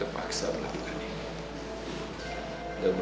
kami terpaksa melakukan ini